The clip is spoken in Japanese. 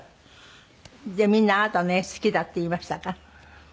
でみんなあなたの絵好きだって言いましたか？